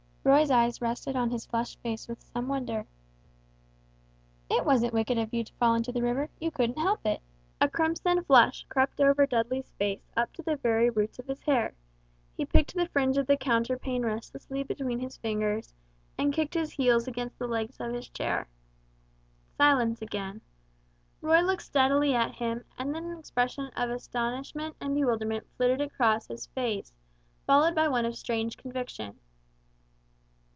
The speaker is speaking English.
Roy's eyes rested on his flushed face with some wonder. "It wasn't wicked of you to fall into the river; you couldn't help it." A crimson flush crept over Dudley's face up to the very roots of his hair; he picked the fringe of the counterpane restlessly between his fingers, and kicked his heels against the legs of his chair. Silence again: Roy looked steadily at him; and then an expression of astonishment and bewilderment flitted across his face, followed by one of strange, conviction.